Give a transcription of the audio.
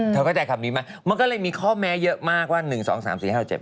เข้าใจคำนี้ไหมมันก็เลยมีข้อแม้เยอะมากว่า๑๒๓๔๕๗